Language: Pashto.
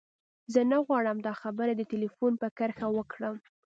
زه نه غواړم دا خبرې د ټليفون پر کرښه وکړم.